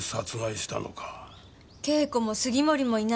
恵子も杉森もいない